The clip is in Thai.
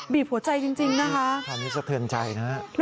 บีบหัวใจจริงนะคะทำให้สะเทินใจนะครับ